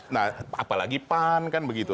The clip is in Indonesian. nah apalagi pan kan begitu